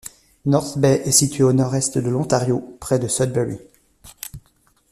North Bay est située au nord-est de l'Ontario, près de Sudbury.